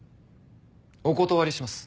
お断りします。